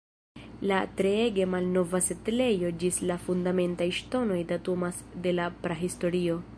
La treege malnova setlejo ĝis la fundamentaj ŝtonoj datumas de la prahistorio.